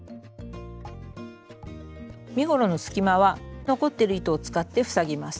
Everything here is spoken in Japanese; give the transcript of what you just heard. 身ごろの隙間は残ってる糸を使って塞ぎます。